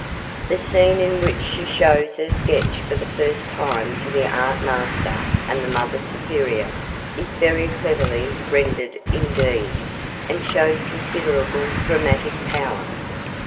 The scene in which she shows her sketch for the first time to the art master and the Mother Superior is very cleverly rendered indeed, and shows considerable dramatic power.